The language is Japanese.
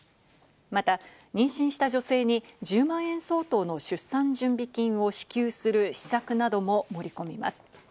また、妊娠した女性に１０万円相当の出産準備金を支給する施策なども盛り込みます。